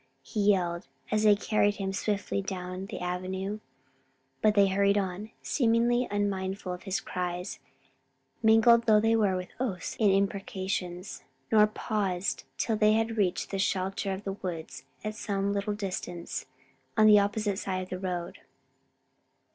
he yelled as they carried him swiftly down the avenue; but they hurried on, seemingly unmindful of his cries, mingled though they were with oaths and imprecations, nor paused till they had reached the shelter of the woods at some little distance on the opposite side of the road.